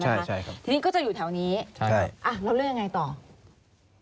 ใช่ครับทีนี้ก็จะอยู่แถวนี้ใช่อ่ะแล้วเรื่องยังไงต่อ